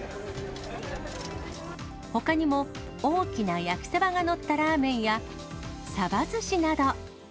ほかにも、大きな焼きサバが載ったラーメンやサバずしなど。